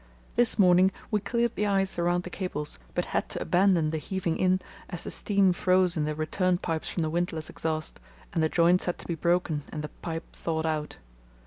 This morning we cleared the ice around the cables, but had to abandon the heaving in, as the steam froze in the return pipes from the windlass exhaust, and the joints had to be broken and the pipe thawed out.